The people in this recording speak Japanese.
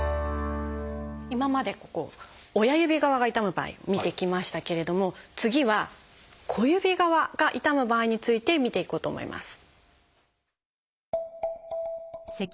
今までここ親指側が痛む場合見てきましたけれども次は小指側が痛む場合について見ていこうと思います。